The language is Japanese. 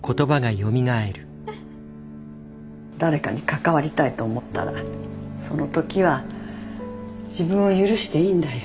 誰かに関わりたいと思ったらその時は自分を許していいんだよ。